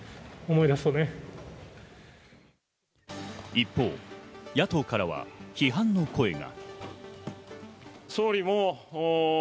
一方、野党からは批判の声が。